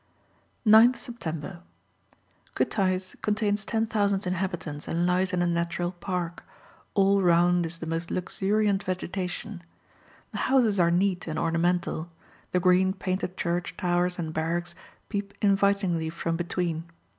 9th September. Kutais contains 10,000 inhabitants, and lies in a natural park; all round is the most luxuriant vegetation. The houses are neat and ornamental; the green painted church towers and barracks peep invitingly from between.